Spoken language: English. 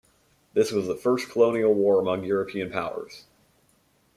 This was the first colonial war among European powers.